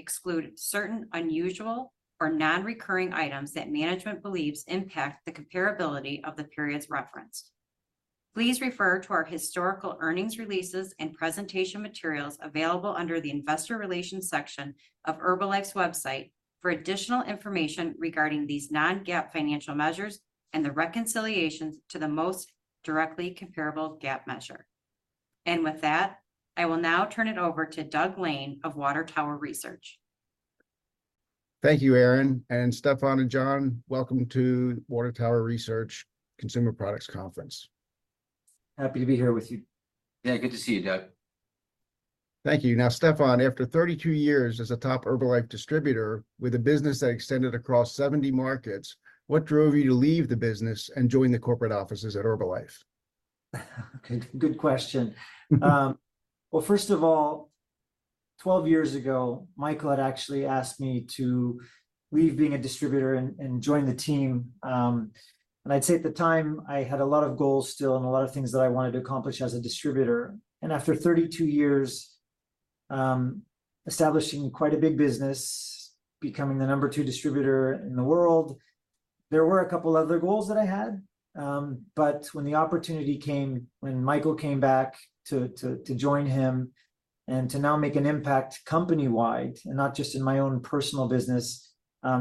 Exclude certain unusual or non-recurring items that management believes impact the comparability of the periods referenced. Please refer to our historical earnings releases and presentation materials available under the Investor Relations section of Herbalife's website for additional information regarding these non-GAAP financial measures and the reconciliations to the most directly comparable GAAP measure. With that, I will now turn it over to Doug Lane of Water Tower Research. Thank you, Erin, and Stephan and John, welcome to Water Tower Research Consumer Products Conference. Happy to be here with you. Yeah, good to see you, Doug. Thank you. Now, Stephan, after 32 years as a top Herbalife distributor with a business that extended across 70 markets, what drove you to leave the business and join the corporate offices at Herbalife? Okay, good question. Well, first of all, 12 years ago, Michael had actually asked me to leave being a distributor and join the team. And I'd say at the time, I had a lot of goals still and a lot of things that I wanted to accomplish as a distributor. After 32 years, establishing quite a big business, becoming the number two distributor in the world, there were a couple other goals that I had. But when the opportunity came, when Michael came back to join him and to now make an impact company-wide and not just in my own personal business,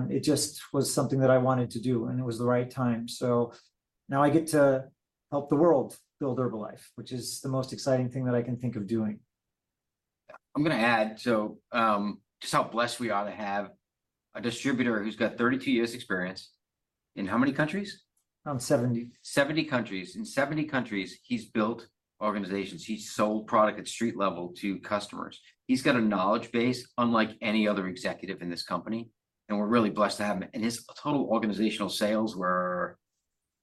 it just was something that I wanted to do, and it was the right time. So now I get to help the world build Herbalife, which is the most exciting thing that I can think of doing. I'm gonna add, so, just how blessed we are to have a distributor who's got 32 years experience, in how many countries? Um, 70. 70 countries. In 70 countries, he's built organizations. He's sold product at street level to customers. He's got a knowledge base unlike any other executive in this company, and we're really blessed to have him. His total organizational sales were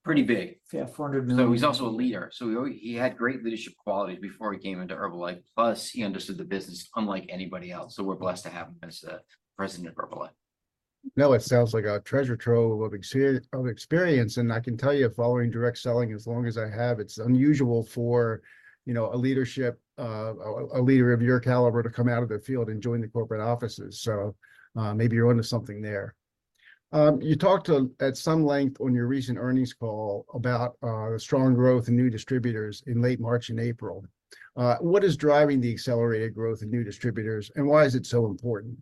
pretty big. Yeah, $400 million- So he's also a leader, so he had great leadership qualities before he came into Herbalife, plus he understood the business unlike anybody else. So we're blessed to have him as President of Herbalife. No, it sounds like a treasure trove of experience, and I can tell you, following direct selling as long as I have, it's unusual for, you know, a leader of your caliber to come out of the field and join the corporate offices. So, maybe you're onto something there. You talked at some length on your recent earnings call about strong growth in new distributors in late March and April. What is driving the accelerated growth in new distributors, and why is it so important?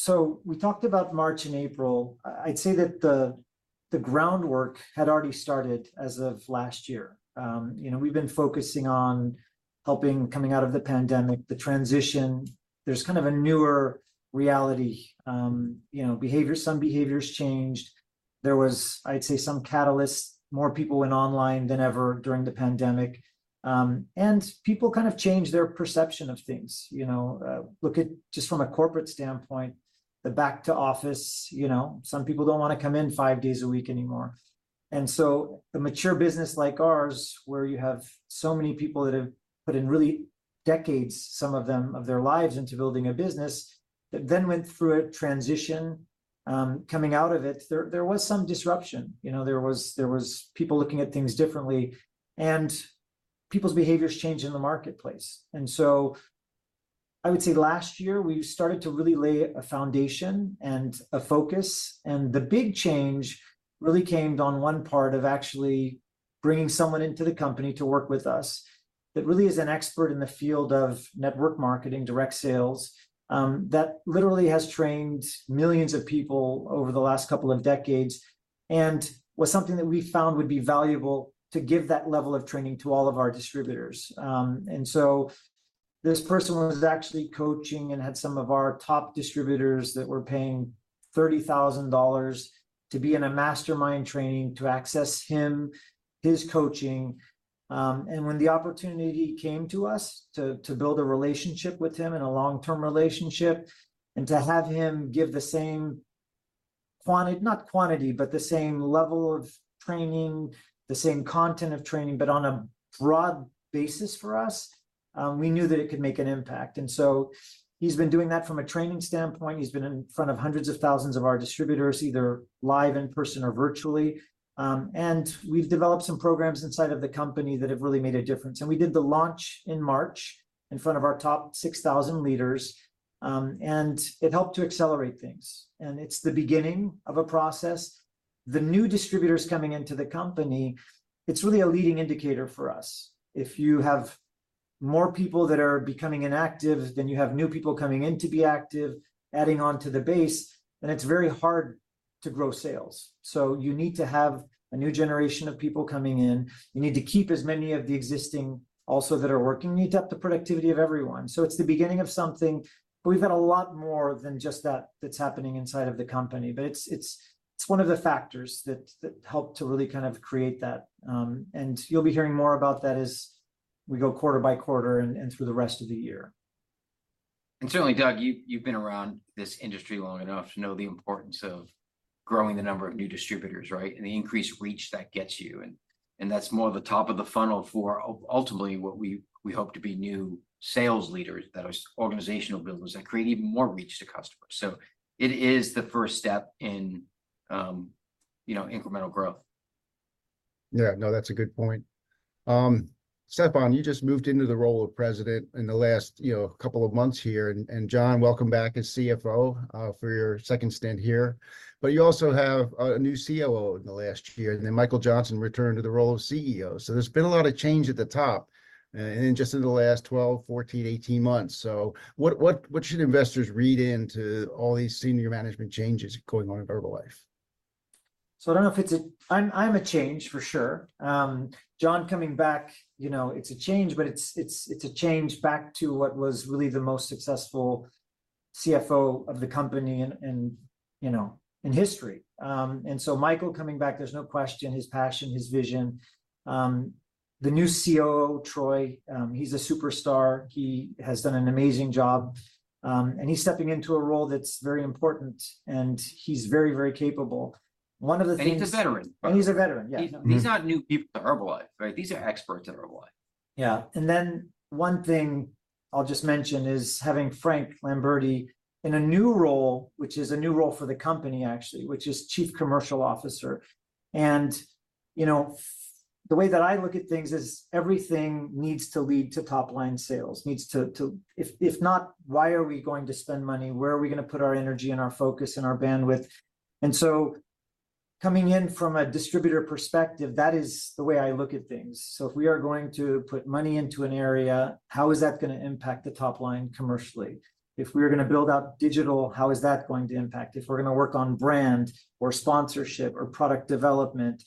So we talked about March and April. I'd say that the groundwork had already started as of last year. You know, we've been focusing on helping, coming out of the pandemic, the transition. There's kind of a newer reality. You know, behavior, some behaviors changed. There was, I'd say, some catalyst. More people went online than ever during the pandemic. And people kind of changed their perception of things, you know? Look at, just from a corporate standpoint, the back to office, you know, some people don't want to come in five days a week anymore. And so a mature business like ours, where you have so many people that have put in really decades, some of them, of their lives into building a business, that then went through a transition, coming out of it, there was some disruption. You know, there was people looking at things differently, and people's behaviors changed in the marketplace. And so I would say last year we started to really lay a foundation and a focus, and the big change really came on one part of actually bringing someone into the company to work with us, that really is an expert in the field of network marketing, direct sales, that literally has trained millions of people over the last couple of decades, and was something that we found would be valuable to give that level of training to all of our distributors. And so this person was actually coaching and had some of our top distributors that were paying $30,000 to be in a mastermind training to access him, his coaching. and when the opportunity came to us to build a relationship with him, and a long-term relationship, and to have him give the same level of training, the same content of training, but on a broad basis for us, we knew that it could make an impact. And so he's been doing that from a training standpoint. He's been in front of hundreds of thousands of our distributors, either live in person or virtually. And we've developed some programs inside of the company that have really made a difference. And we did the launch in March, in front of our top 6,000 leaders, and it helped to accelerate things, and it's the beginning of a process. The new distributors coming into the company, it's really a leading indicator for us. If you have more people that are becoming inactive than you have new people coming in to be active, adding on to the base, then it's very hard to grow sales. So you need to have a new generation of people coming in. You need to keep as many of the existing also that are working. You need to up the productivity of everyone. So it's the beginning of something, but we've had a lot more than just that, that's happening inside of the company. But it's one of the factors that helped to really kind of create that. And you'll be hearing more about that as we go quarter by quarter and through the rest of the year. Certainly, Doug, you've been around this industry long enough to know the importance of growing the number of new distributors, right? The increased reach that gets you, and that's more the top of the funnel for ultimately what we hope to be new sales leaders, that are organizational builders, that create even more reach to customers. So it is the first step in, you know, incremental growth. Yeah, no, that's a good point. Stephan, you just moved into the role of President in the last, you know, couple of months here, and, and John, welcome back as CFO, for your second stint here. But you also have a, a new COO in the last year, and then Michael Johnson returned to the role of CEO. So there's been a lot of change at the top, in just in the last 12, 14, 18 months. So what, what, what should investors read into all these senior management changes going on at Herbalife? So I don't know if it's a change, for sure. John coming back, you know, it's a change, but it's a change back to what was really the most successful CFO of the company in history. And so Michael coming back, there's no question, his passion, his vision. The new COO, Troy, he's a superstar. He has done an amazing job, and he's stepping into a role that's very important, and he's very, very capable. One of the things- He's a veteran. He's a veteran, yeah. These, these aren't new people to Herbalife, right? These are experts at Herbalife. Yeah, and then one thing I'll just mention is having Frank Lamberti in a new role, which is a new role for the company, actually, which is Chief Commercial Officer. And, you know, the way that I look at things is everything needs to lead to top-line sales, needs to... If not, why are we going to spend money? Where are we gonna put our energy and our focus and our bandwidth? And so coming in from a distributor perspective, that is the way I look at things. So if we are going to put money into an area, how is that gonna impact the top line commercially? If we are gonna build out digital, how is that going to impact? If we're gonna work on brand or sponsorship or product development,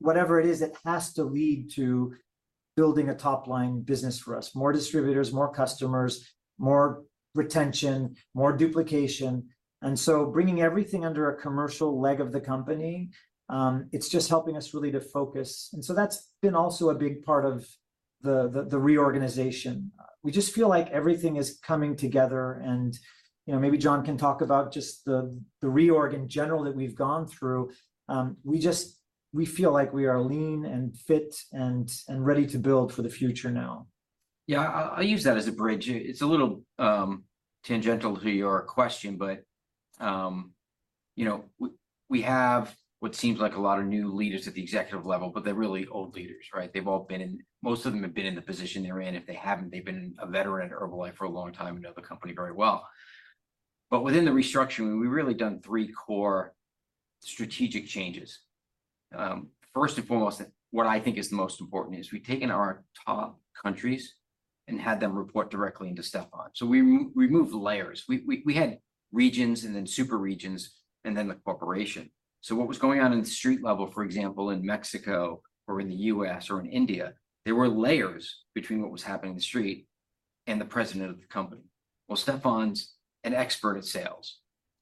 whatever it is, it has to lead to building a top-line business for us, more distributors, more customers, more retention, more duplication. And so bringing everything under a commercial leg of the company, it's just helping us really to focus, and so that's been also a big part of the reorganization. We just feel like everything is coming together, and you know, maybe John can talk about just the reorg in general that we've gone through. We just feel like we are lean and fit and ready to build for the future now. Yeah, I'll use that as a bridge. It's a little tangential to your question, but you know, we have what seems like a lot of new leaders at the executive level, but they're really old leaders, right? They've all been in... Most of them have been in the position they're in. If they haven't, they've been a veteran at Herbalife for a long time and know the company very well. But within the restructuring, we've really done three core strategic changes. First and foremost, what I think is the most important is we've taken our top countries and had them report directly into Stephan. So we removed layers. We had regions and then super regions and then the corporation. So what was going on in the street level, for example, in Mexico or in the US or in India, there were layers between what was happening in the street and the president of the company. Well, Stephan's an expert at sales,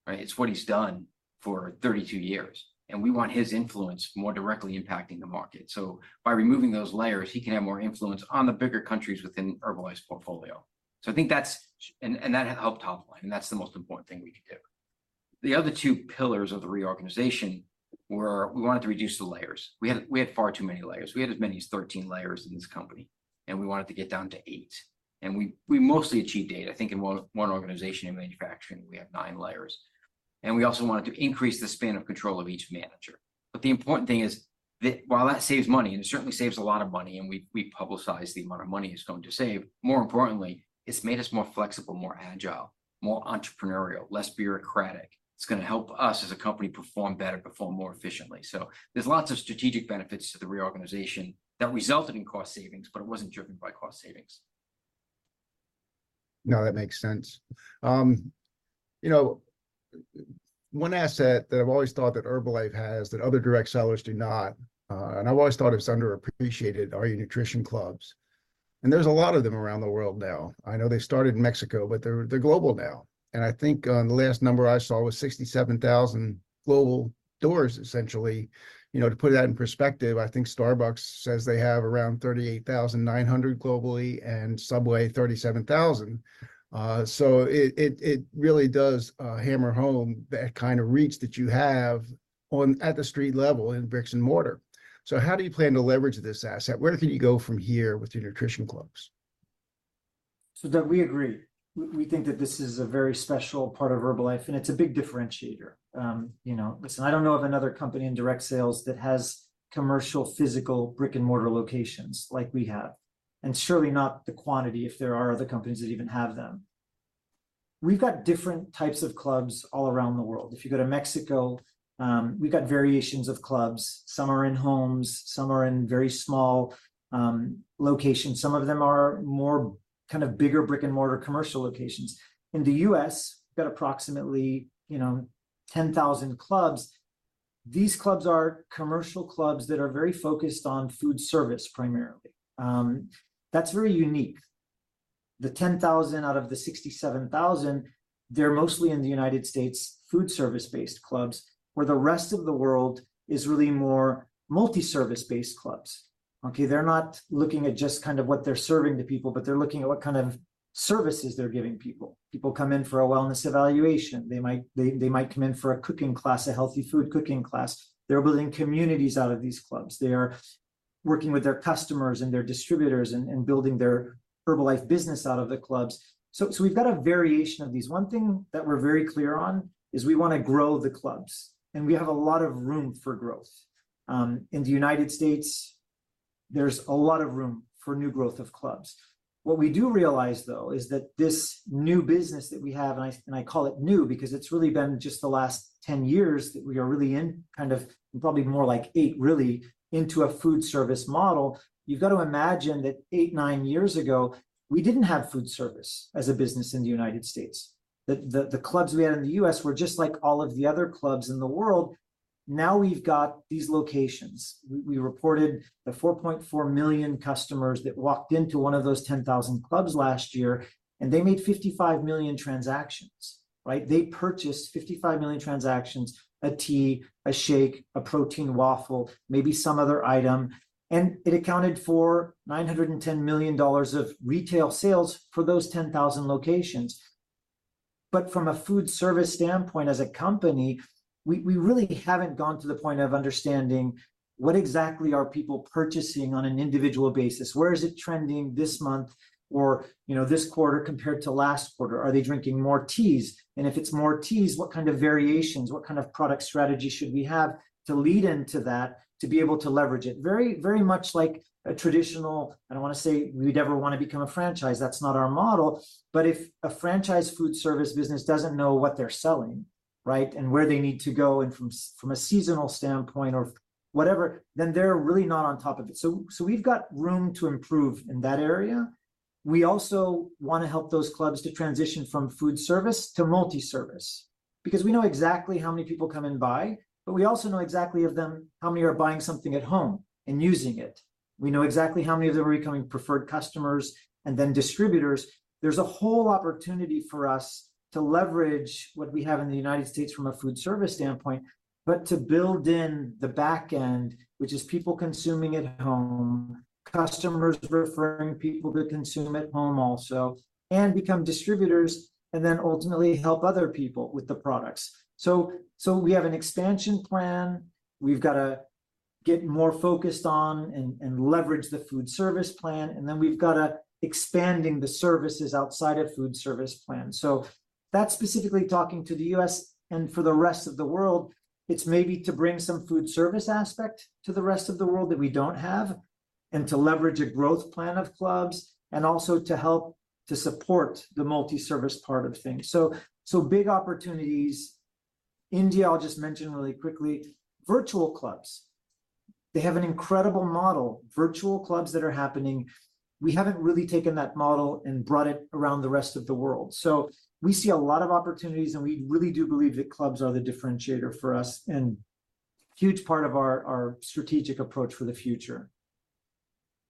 right? It's what he's done for 32 years, and we want his influence more directly impacting the market. So by removing those layers, he can have more influence on the bigger countries within Herbalife's portfolio. So I think that's, and that helped top line, and that's the most important thing we could do. The other two pillars of the reorganization were we wanted to reduce the layers. We had far too many layers. We had as many as 13 layers in this company, and we wanted to get down to eight, and we mostly achieved eight. I think in one organization, in manufacturing, we have nine layers. We also wanted to increase the span of control of each manager. The important thing is that while that saves money, and it certainly saves a lot of money, and we've publicized the amount of money it's going to save, more importantly, it's made us more flexible, more agile, more entrepreneurial, less bureaucratic. It's gonna help us as a company perform better, perform more efficiently. There's lots of strategic benefits to the reorganization that resulted in cost savings, but it wasn't driven by cost savings. No, that makes sense. You know, one asset that I've always thought that Herbalife has that other direct sellers do not, and I've always thought it's underappreciated, are your nutrition clubs, and there's a lot of them around the world now. I know they started in Mexico, but they're global now, and I think the last number I saw was 67,000 global doors, essentially. You know, to put that in perspective, I think Starbucks says they have around 38,900 globally and Subway 37,000. So it really does hammer home the kind of reach that you have on at the street level in bricks and mortar. So how do you plan to leverage this asset? Where can you go from here with your nutrition clubs? So Doug, we agree. We, we think that this is a very special part of Herbalife, and it's a big differentiator. You know, listen, I don't know of another company in direct sales that has commercial, physical, brick-and-mortar locations like we have, and surely not the quantity, if there are other companies that even have them. We've got different types of clubs all around the world. If you go to Mexico, we've got variations of clubs. Some are in homes, some are in very small locations. Some of them are more kind of bigger brick-and-mortar commercial locations. In the U.S., we've got approximately, you know, 10,000 clubs. These clubs are commercial clubs that are very focused on food service primarily. That's very unique. The 10,000 out of the 67,000, they're mostly in the United States food service-based clubs, where the rest of the world is really more multi-service based clubs. Okay, they're not looking at just kind of what they're serving to people, but they're looking at what kind of services they're giving people. People come in for a wellness evaluation. They might come in for a cooking class, a healthy food cooking class. They're building communities out of these clubs. They are working with their customers and their distributors and building their Herbalife business out of the clubs. So we've got a variation of these. One thing that we're very clear on is we wanna grow the clubs, and we have a lot of room for growth. In the United States, there's a lot of room for new growth of clubs. What we do realize, though, is that this new business that we have, and I call it new because it's really been just the last 10 years that we are really in, kind of probably more like eight really, into a food service model. You've got to imagine that eight, nine years ago, we didn't have food service as a business in the United States. The clubs we had in the U.S. were just like all of the other clubs in the world. Now we've got these locations. We reported the 4.4 million customers that walked into one of those 10,000 clubs last year, and they made 55 million transactions, right? They purchased 55 million transactions, a tea, a shake, a protein waffle, maybe some other item, and it accounted for $910 million of retail sales for those 10,000 locations. But from a food service standpoint, as a company, we really haven't gotten to the point of understanding what exactly are people purchasing on an individual basis? Where is it trending this month, or, you know, this quarter compared to last quarter? Are they drinking more teas? And if it's more teas, what kind of variations, what kind of product strategy should we have to lead into that to be able to leverage it? Very, very much like a traditional... I don't wanna say we'd ever wanna become a franchise. That's not our model. But if a franchise food service business doesn't know what they're selling, right, and where they need to go and from from a seasonal standpoint or whatever, then they're really not on top of it. So we've got room to improve in that area. We also wanna help those clubs to transition from food service to multi-service. Because we know exactly how many people come in and buy, but we also know exactly of them, how many are buying something at home and using it. We know exactly how many of them are becoming preferred customers and then distributors. There's a whole opportunity for us to leverage what we have in the United States from a food service standpoint, but to build in the back end, which is people consuming at home, customers referring people to consume at home also, and become distributors, and then ultimately help other people with the products. So, so we have an expansion plan, we've gotta get more focused on and, and leverage the food service plan, and then we've gotta expanding the services outside of food service plan. So that's specifically talking to the U.S., and for the rest of the world, it's maybe to bring some food service aspect to the rest of the world that we don't have, and to leverage a growth plan of clubs, and also to help to support the multi-service part of things. So, so big opportunities. India, I'll just mention really quickly, virtual clubs. They have an incredible model, virtual clubs that are happening. We haven't really taken that model and brought it around the rest of the world. So we see a lot of opportunities, and we really do believe that clubs are the differentiator for us and huge part of our, our strategic approach for the future.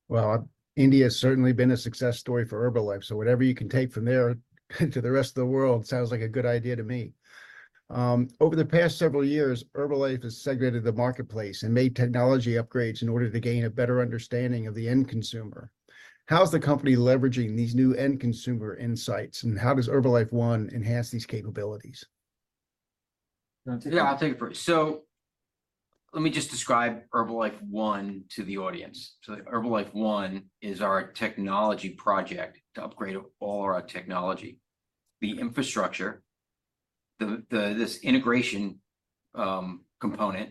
Well, India has certainly been a success story for Herbalife, so whatever you can take from there to the rest of the world sounds like a good idea to me. Over the past several years, Herbalife has segmented the marketplace and made technology upgrades in order to gain a better understanding of the end consumer. How's the company leveraging these new end consumer insights, and how does Herbalife One enhance these capabilities? You wanna take it? Yeah, I'll take it first. So let me just describe Herbalife One to the audience. So Herbalife One is our technology project to upgrade all our technology, the infrastructure, the integration component,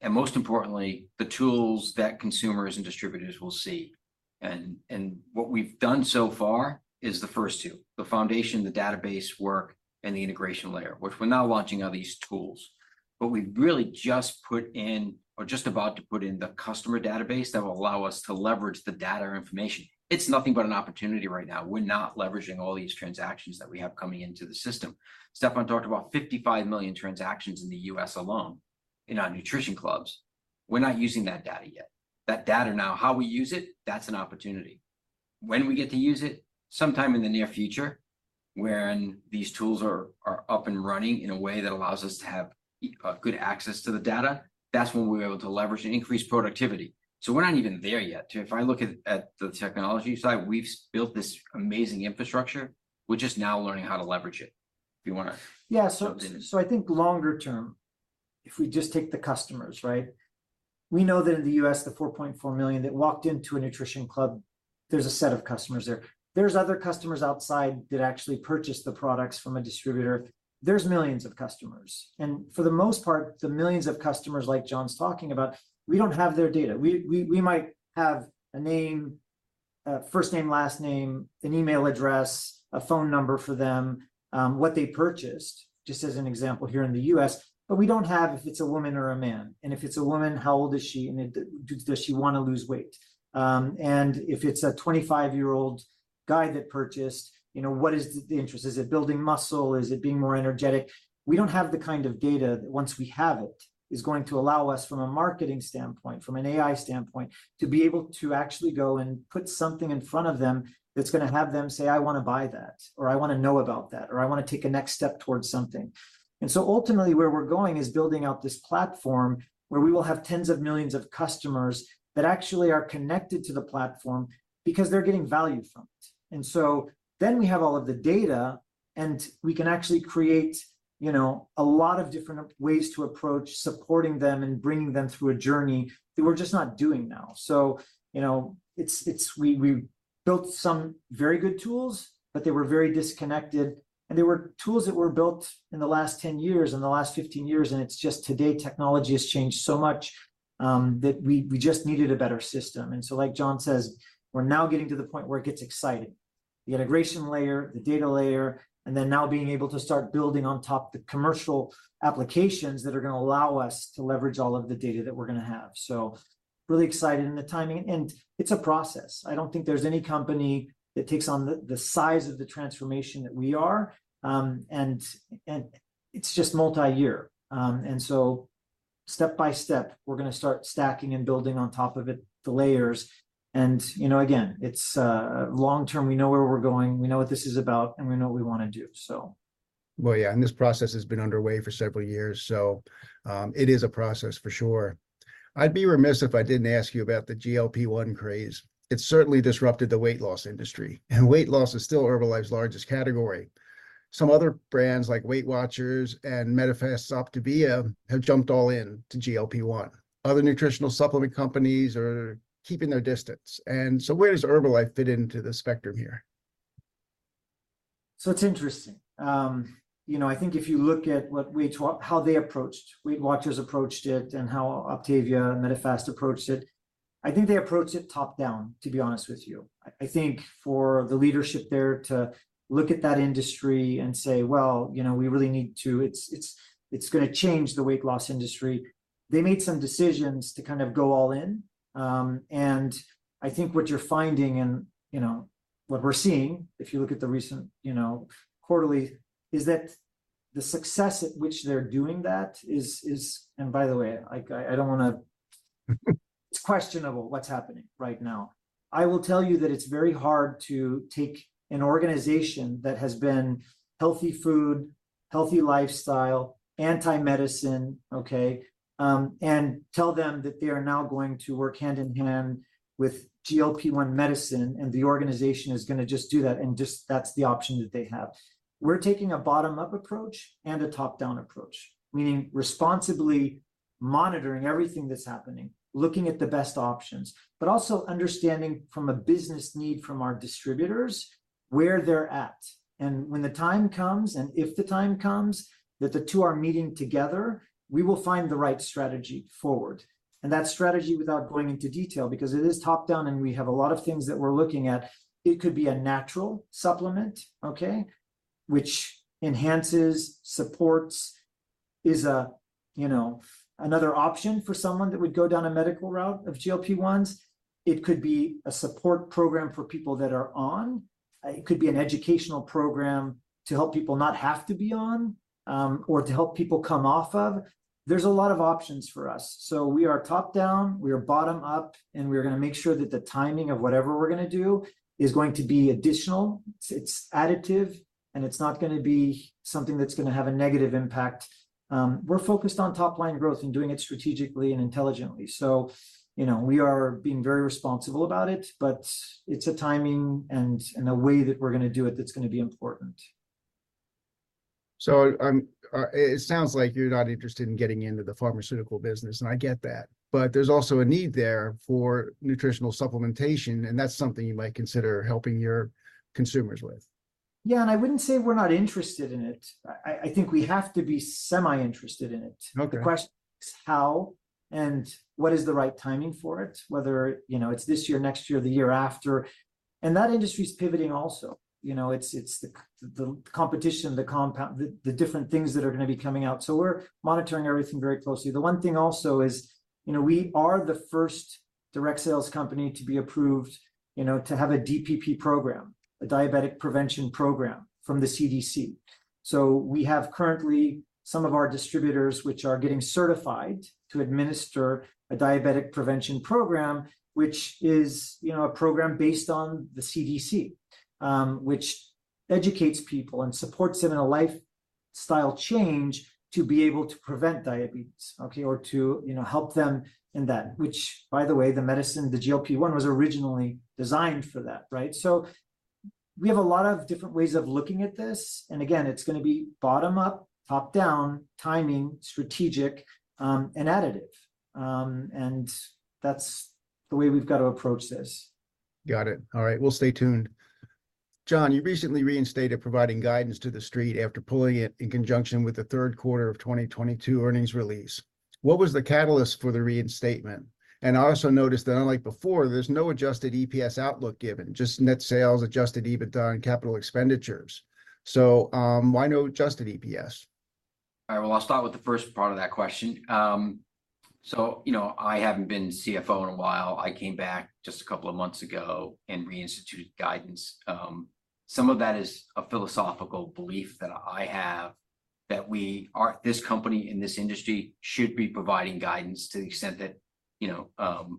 and most importantly, the tools that consumers and distributors will see. And what we've done so far is the first two, the foundation, the database work, and the integration layer, which we're now launching all these tools. But we've really just put in or just about to put in the customer database that will allow us to leverage the data information. It's nothing but an opportunity right now. We're not leveraging all these transactions that we have coming into the system. Stephan talked about 55 million transactions in the U.S. alone in our nutrition clubs. We're not using that data yet. That data now, how we use it, that's an opportunity. When we get to use it? Sometime in the near future, when these tools are up and running in a way that allows us to have good access to the data, that's when we'll be able to leverage and increase productivity. So we're not even there yet. If I look at the technology side, we've built this amazing infrastructure, we're just now learning how to leverage it. Do you wanna- Yeah. Go ahead. So, I think longer term, if we just take the customers, right? We know that in the U.S., the 4.4 million that walked into a nutrition club, there's a set of customers there. There's other customers outside that actually purchased the products from a distributor. There's millions of customers, and for the most part, the millions of customers like John's talking about, we don't have their data. We might have a name, a first name, last name, an email address, a phone number for them, what they purchased, just as an example here in the U.S., but we don't have if it's a woman or a man. And if it's a woman, how old is she, and does she wanna lose weight? And if it's a 25-year-old guy that purchased, you know, what is the interest? Is it building muscle? Is it being more energetic? We don't have the kind of data that once we have it, is going to allow us, from a marketing standpoint, from an AI standpoint, to be able to actually go and put something in front of them that's gonna have them say, "I wanna buy that," or, "I wanna know about that," or, "I wanna take a next step towards something." And so ultimately, where we're going is building out this platform where we will have tens of millions of customers that actually are connected to the platform because they're getting value from it. And so then we have all of the data... and we can actually create, you know, a lot of different ways to approach supporting them and bringing them through a journey that we're just not doing now. So, you know, it's we built some very good tools, but they were very disconnected, and they were tools that were built in the last 10 years, in the last 15 years, and it's just today technology has changed so much, that we just needed a better system. And so like John says, we're now getting to the point where it gets exciting. The integration layer, the data layer, and then now being able to start building on top the commercial applications that are gonna allow us to leverage all of the data that we're gonna have. So really excited, and the timing, and it's a process. I don't think there's any company that takes on the size of the transformation that we are, and it's just multi-year. So step by step, we're gonna start stacking and building on top of it, the layers. You know, again, it's long term, we know where we're going, we know what this is about, and we know what we wanna do, so. Well, yeah, and this process has been underway for several years, so, it is a process for sure. I'd be remiss if I didn't ask you about the GLP-1 craze. It certainly disrupted the weight loss industry, and weight loss is still Herbalife's largest category. Some other brands, like WeightWatchers and Medifast, OPTAVIA, have jumped all in to GLP-1. Other nutritional supplement companies are keeping their distance, and so where does Herbalife fit into the spectrum here? So it's interesting. You know, I think if you look at what how they approached, WeightWatchers approached it, and how OPTAVIA and Medifast approached it, I think they approached it top-down, to be honest with you. I think for the leadership there to look at that industry and say, "Well, you know, we really need to... It's gonna change the weight loss industry," they made some decisions to kind of go all in. And I think what you're finding and, you know, what we're seeing, if you look at the recent, you know, quarterly, is that the success at which they're doing that is... And by the way, like, I don't wanna- It's questionable what's happening right now. I will tell you that it's very hard to take an organization that has been healthy food, healthy lifestyle, anti-medicine, okay? And tell them that they are now going to work hand-in-hand with GLP-1 medicine, and the organization is gonna just do that, and just that's the option that they have. We're taking a bottom-up approach and a top-down approach, meaning responsibly monitoring everything that's happening, looking at the best options, but also understanding from a business need from our distributors where they're at. And when the time comes, and if the time comes, that the two are meeting together, we will find the right strategy forward. And that strategy, without going into detail, because it is top-down and we have a lot of things that we're looking at, it could be a natural supplement, okay? Which enhances, supports, is a, you know, another option for someone that would go down a medical route of GLP-1s. It could be a support program for people that are on. It could be an educational program to help people not have to be on, or to help people come off of. There's a lot of options for us. So we are top-down, we are bottom-up, and we're gonna make sure that the timing of whatever we're gonna do is going to be additional, it's additive, and it's not gonna be something that's gonna have a negative impact. We're focused on top-line growth and doing it strategically and intelligently. So, you know, we are being very responsible about it, but it's a timing and, and a way that we're gonna do it that's gonna be important. It sounds like you're not interested in getting into the pharmaceutical business, and I get that. But there's also a need there for nutritional supplementation, and that's something you might consider helping your consumers with. Yeah, and I wouldn't say we're not interested in it. I think we have to be semi-interested in it. Okay. The question is how and what is the right timing for it? Whether, you know, it's this year, next year, or the year after. That industry's pivoting also. You know, it's the competition, the compound, the different things that are gonna be coming out. So we're monitoring everything very closely. The one thing also is, you know, we are the first direct sales company to be approved, you know, to have a DPP program, a Diabetic Prevention Program, from the CDC. So we have currently some of our distributors, which are getting certified to administer a Diabetic Prevention Program, which is, you know, a program based on the CDC, which educates people and supports them in a lifestyle change to be able to prevent diabetes, okay? Or to, you know, help them in that. Which, by the way, the medicine, the GLP-1 was originally designed for that, right? So we have a lot of different ways of looking at this, and again, it's gonna be bottom-up, top-down, timing, strategic, and additive. And that's the way we've got to approach this. Got it. All right, we'll stay tuned. John, you recently reinstated providing guidance to the Street after pulling it in conjunction with the third quarter of 2022 earnings release. What was the catalyst for the reinstatement? And I also noticed that unlike before, there's no Adjusted EPS outlook given, just net sales, Adjusted EBITDA, and capital expenditures. So, why no Adjusted EPS? All right, well, I'll start with the first part of that question. So, you know, I haven't been CFO in a while. I came back just a couple of months ago and reinstituted guidance. Some of that is a philosophical belief that I have, that we are... This company and this industry should be providing guidance to the extent that, you know,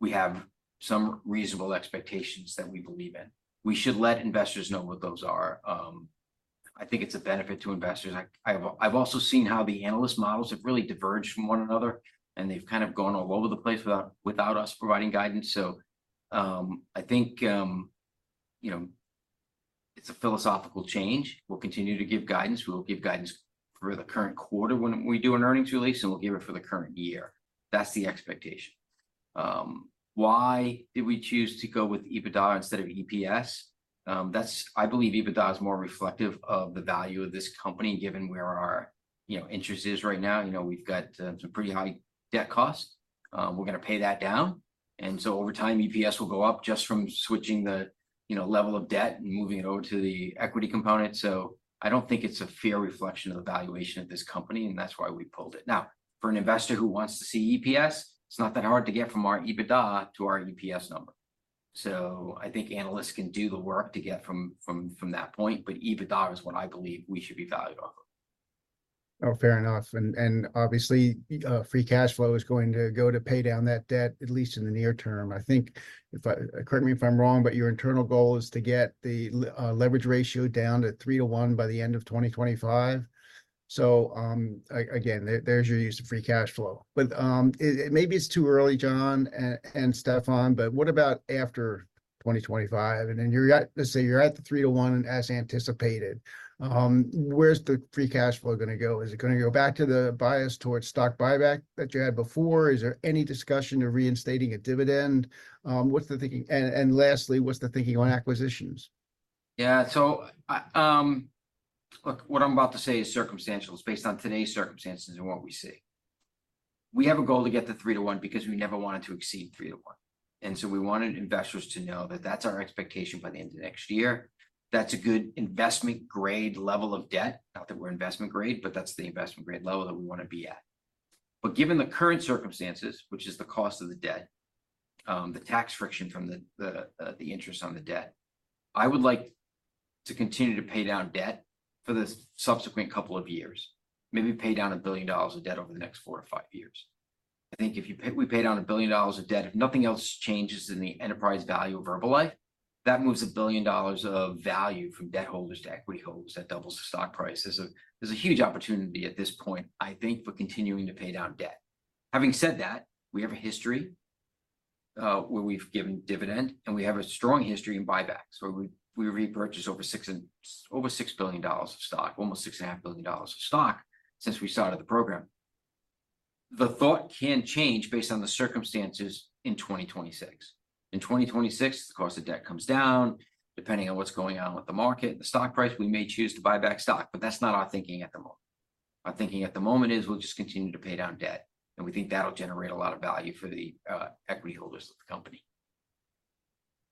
we have some reasonable expectations that we believe in. We should let investors know what those are. I think it's a benefit to investors. I've also seen how the analyst models have really diverged from one another, and they've kind of gone all over the place without us providing guidance. I think, you know, it's a philosophical change. We'll continue to give guidance. We'll give guidance for the current quarter when we do an earnings release, and we'll give it for the current year. That's the expectation. Why did we choose to go with EBITDA instead of EPS? I believe EBITDA is more reflective of the value of this company, given where our, you know, interest is right now. You know, we've got some pretty high debt costs. We're gonna pay that down, and so over time, EPS will go up just from switching the, you know, level of debt and moving it over to the equity component. So I don't think it's a fair reflection of the valuation of this company, and that's why we pulled it. Now, for an investor who wants to see EPS, it's not that hard to get from our EBITDA to our EPS number. I think analysts can do the work to get from that point, but EBITDA is what I believe we should be valued on. Oh, fair enough, and, and obviously, free cash flow is going to go to pay down that debt, at least in the near term. I think if I correct me if I'm wrong, but your internal goal is to get the leverage ratio down to 3-1 by the end of 2025. So, again, there, there's your use of free cash flow. But, maybe it's too early, John and Stephan, but what about after 2025? And then you're at, let's say you're at the 3-1 as anticipated, where's the free cash flow gonna go? Is it gonna go back to the bias towards stock buyback that you had before? Is there any discussion of reinstating a dividend? What's the thinking? And, and lastly, what's the thinking on acquisitions? Yeah, so, I, look, what I'm about to say is circumstantial. It's based on today's circumstances and what we see. We have a goal to get to 3-1 because we never wanted to exceed 3-1, and so we wanted investors to know that that's our expectation by the end of next year. That's a good investment grade level of debt. Not that we're investment grade, but that's the investment grade level that we wanna be at. But given the current circumstances, which is the cost of the debt, the tax friction from the interest on the debt, I would like to continue to pay down debt for the subsequent couple of years, maybe pay down $1 billion of debt over the next 4-5 years. I think if we pay down $1 billion of debt, if nothing else changes in the enterprise value of Herbalife, that moves $1 billion of value from debt holders to equity holders. That doubles the stock price. There's a, there's a huge opportunity at this point, I think, for continuing to pay down debt. Having said that, we have a history where we've given dividend, and we have a strong history in buybacks, where we repurchased over $6 billion of stock, almost $6.5 billion of stock since we started the program. The thought can change based on the circumstances in 2026. In 2026, the cost of debt comes down, depending on what's going on with the market and the stock price, we may choose to buy back stock, but that's not our thinking at the moment. Our thinking at the moment is we'll just continue to pay down debt, and we think that'll generate a lot of value for the equity holders of the company.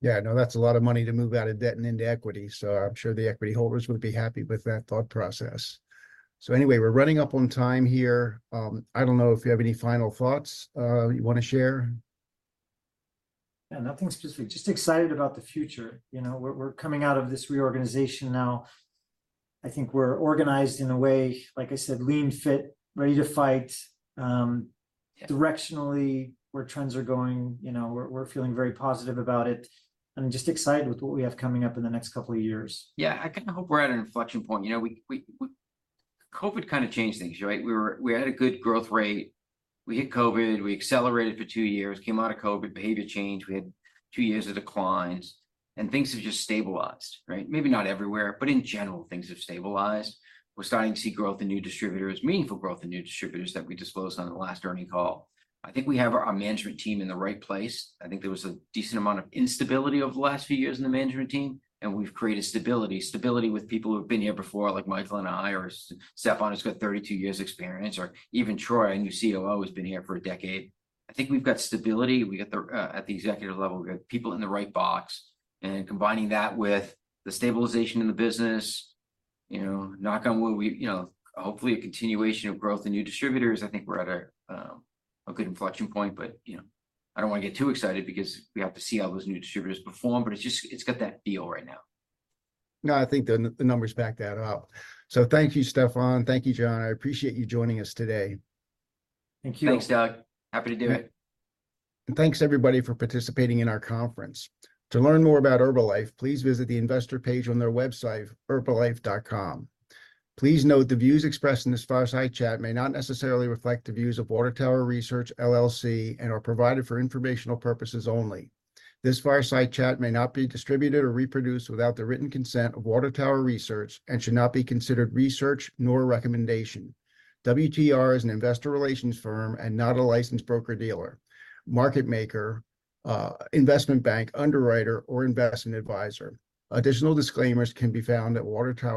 Yeah, no, that's a lot of money to move out of debt and into equity, so I'm sure the equity holders would be happy with that thought process. So anyway, we're running up on time here. I don't know if you have any final thoughts, you wanna share? Yeah, nothing specific, just excited about the future. You know, we're coming out of this reorganization now. I think we're organized in a way, like I said, lean, fit, ready to fight. Yeah... directionally, where trends are going, you know, we're feeling very positive about it and just excited with what we have coming up in the next couple of years. Yeah, I kinda hope we're at an inflection point. You know, we... COVID kind of changed things, right? We were- we had a good growth rate. We hit COVID. We accelerated for two years, came out of COVID, behavior changed. We had two years of declines, and things have just stabilized, right? Maybe not everywhere, but in general, things have stabilized. We're starting to see growth in new distributors, meaningful growth in new distributors that we disclosed on the last earnings call. I think we have our management team in the right place. I think there was a decent amount of instability over the last few years in the management team, and we've created stability, stability with people who have been here before, like Michael and I, or Stephan has got 32 years experience, or even Troy, our new COO, has been here for a decade. I think we've got stability. We got the at the executive level, we got people in the right box, and combining that with the stabilization in the business, you know, knock on wood, we, you know, hopefully a continuation of growth in new distributors. I think we're at a a good inflection point, but, you know, I don't wanna get too excited because we have to see how those new distributors perform, but it's just- it's got that feel right now. No, I think the numbers back that up. So thank you, Stephan. Thank you, John. I appreciate you joining us today. Thank you. Thanks, Doug. Happy to do it. Thanks, everybody, for participating in our conference. To learn more about Herbalife, please visit the investor page on their website, herbalife.com. Please note, the views expressed in this fireside chat may not necessarily reflect the views of Water Tower Research, LLC, and are provided for informational purposes only. This fireside chat may not be distributed or reproduced without the written consent of Water Tower Research and should not be considered research nor recommendation. WTR is an investor relations firm and not a licensed broker-dealer, market maker, investment bank underwriter, or investment advisor. Additional disclaimers can be found at Water Tower-